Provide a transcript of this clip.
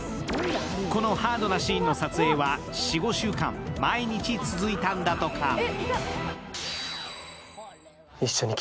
このハードなシーンの撮影は４５週間毎日続いたんだとか。